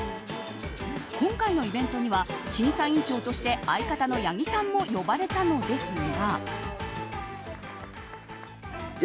今回のイベントには審査員長として相方の八木さんも呼ばれたのですが。